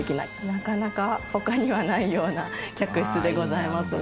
なかなか他にはないような客室でございますね。